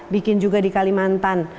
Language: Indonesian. bikin juga di kalimantan